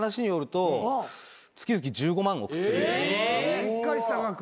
しっかりした額。